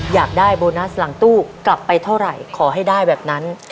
อยากได้โบนัสหลังตู้กลับไปเท่าไหร่ขอให้ได้แบบนั้น